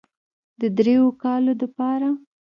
د دريو کالو دپاره